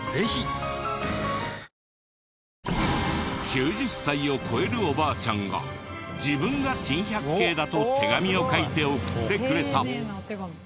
９０歳を超えるおばあちゃんが自分が珍百景だと手紙を書いて送ってくれた。